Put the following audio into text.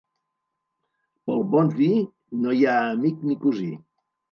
Pel bon vi no hi ha amic ni cosí.